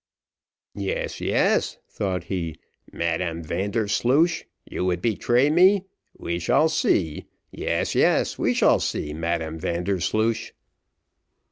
"Yes, yes," thought he, "Madam Vandersloosh, you would betray me. We shall see. Yes, yes, we shall see, Madam Vandersloosh."